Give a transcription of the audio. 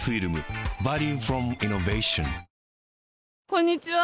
こんにちは。